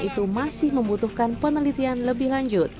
itu masih membutuhkan penelitian lebih lanjut